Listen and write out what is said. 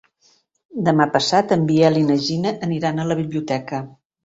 Demà passat en Biel i na Gina aniran a la biblioteca.